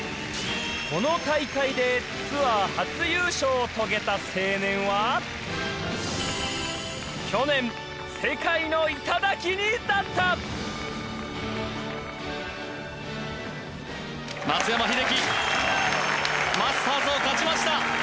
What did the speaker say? この大会でツアー初優勝を遂げた青年は去年世界の頂に立った松山英樹マスターズを勝ちました